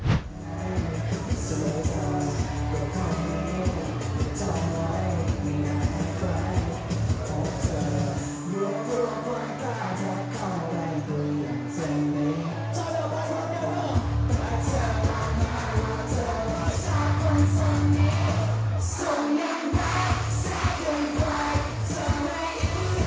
มีอุปกรณ์แค่นี้นะครับ